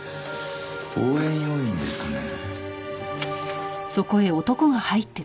応援要員ですかね？